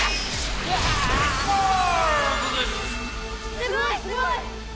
すごいすごい！